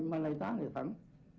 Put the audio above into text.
mà người ta lại thắng